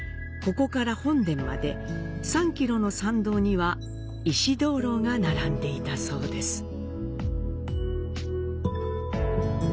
ここから本殿まで３ｋｍの参道には石灯籠が並んでいたそうです。